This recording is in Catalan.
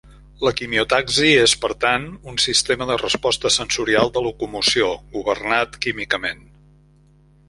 La quimiotaxi és per tant, un sistema de resposta sensorial de locomoció, governat químicament.